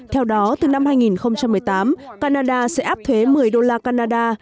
theo đó từ năm hai nghìn một mươi tám canada sẽ áp thuế một mươi đô la canada